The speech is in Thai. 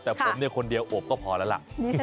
แต่ผมคนนี้ก็พอแล้วล่ะ